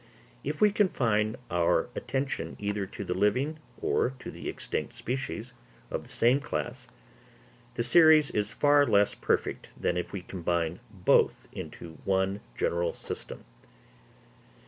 If we confine our attention either to the living or to the extinct species of the same class, the series is far less perfect than if we combine both into one general system.